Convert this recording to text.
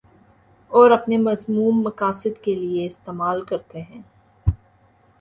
اور اپنے مذموم مقاصد کے لیے استعمال کرتے ہیں